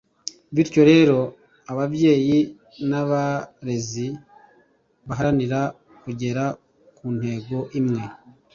bityo rero ababyeyi n abarezi baharanira kugera ku ntego imwe